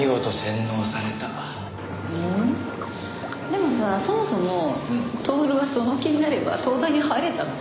でもさそもそも享はその気になれば東大に入れたの？